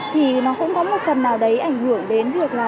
thì nó cũng có một phần nào đấy ảnh hưởng đến việc là